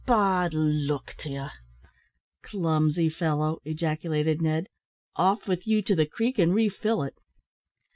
"Oh! bad luck to ye!" "Clumsy fellow!" ejaculated Ned. "Off with you to the creek, and refill it."